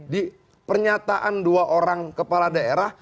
di pernyataan dua orang kepala daerah